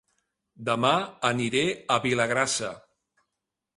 Dema aniré a Vilagrassa